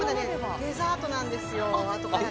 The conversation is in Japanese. デザートなんですよ。